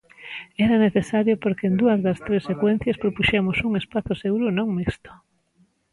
Era necesario porque en dúas das tres secuencias propuxemos un espazo seguro non mixto.